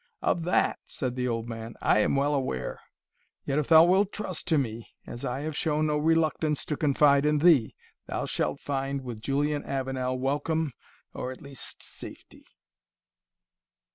"Of that," said the old man, "I am well aware. Yet if thou wilt trust to me, as I have shown no reluctance to confide in thee, thou shalt find with Julian Avenel welcome, or at least safety."